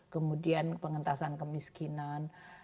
kemudian pengentasan kemiskinan